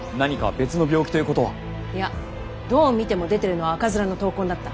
いやどう見ても出てるのは赤面の痘痕だった。